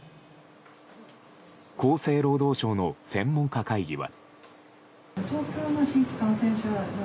厚生労働省の専門家会議は。